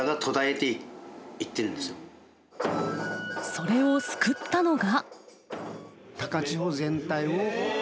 それを救ったのが。